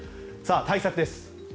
対策です。